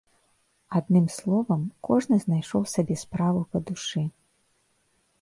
Адным словам, кожны знайшоў сабе справу па душы.